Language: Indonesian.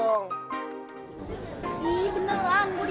boleh jemput abang gue